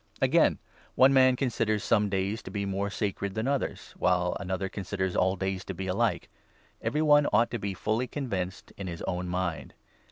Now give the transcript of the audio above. Again, one man considers some days to be more sacred 5 than others, while another considers all days to be alike. Every one ought to be fully convinced in his own mind.